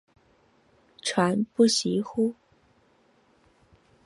传不习乎？